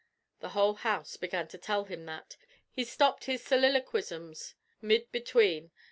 The whole house began to tell him that. He stopped his soliloquishms mid between.